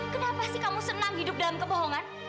kenapa sih kamu senang hidup dalam kebohongan